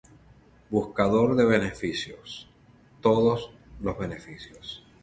Buscador de beneficios: todos los beneficios